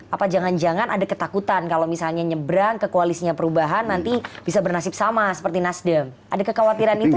apa jangan jangan ada ketakutan kalau misalnya nyebrang ke koalisinya perubahan nanti bisa bernasib sama seperti nasdem ada kekhawatiran itu